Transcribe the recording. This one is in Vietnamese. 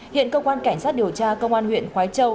hiện công an cảnh sát điều tra công an huyện khói châu